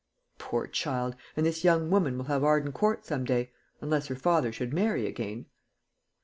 "Poor child! and this young woman will have Arden Court some day unless her father should marry again."